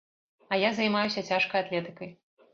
А я займаюся цяжкай атлетыкай.